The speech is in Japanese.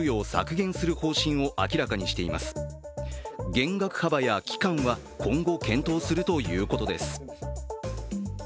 減額幅や期間は今後検討するということです。